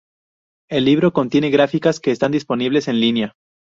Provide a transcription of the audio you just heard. El libro contiene gráficas que están disponibles en línea.